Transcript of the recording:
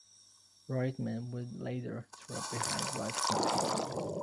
Reutemann would later drop behind Watson.